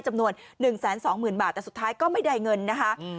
จำนวน๑๒๐๐๐บาทแต่สุดท้ายก็ไม่ได้เงินนะคะ